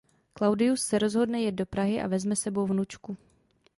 Claudius se rozhodne jet do Prahy a vezme s sebou vnučku.